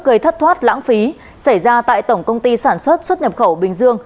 gây thất thoát lãng phí xảy ra tại tổng công ty sản xuất xuất nhập khẩu bình dương